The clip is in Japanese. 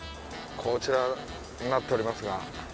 こちらになっておりますが。